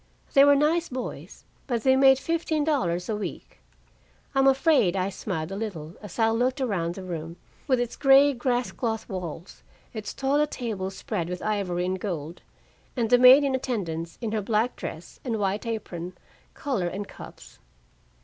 They were nice boys, but they made fifteen dollars a week. I'm afraid I smiled a little as I looked around the room, with its gray grass cloth walls, its toilet table spread with ivory and gold, and the maid in attendance in her black dress and white apron, collar and cuffs.